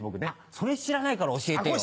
それ知らないから教えてよ。